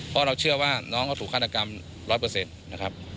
เพราะเราเชื่อว่าน้องเขาถูกฆาตกรรม๑๐๐นะครับ